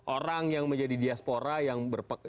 orang yang menjadi diaspora yang